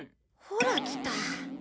ほらきた。